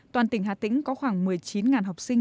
toàn tỉnh hà tĩnh có khoảng một mươi chín học sinh